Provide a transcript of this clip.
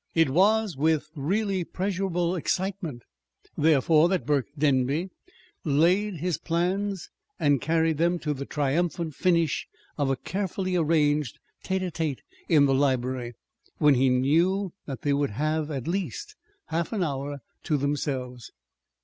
It was with really pleasurable excitement, therefore, that Burke Denby laid his plans and carried them to the triumphant finish of a carefully arranged tête à tête in the library, when he knew that they would have at least half an hour to themselves.